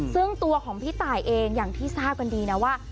ซึ่งตัวของพี่ตายเองอย่างที่ทราบกันดีนะว่า